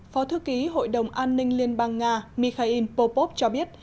phó thư ký hội đồng an ninh liên bang nga mikhail popov cho biết